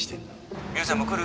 未央ちゃんも来る？